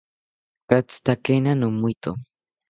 Katzitakena nomoeto